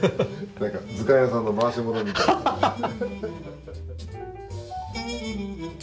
何か図鑑屋さんの回し者みたい。